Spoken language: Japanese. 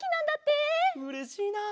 うれしいな！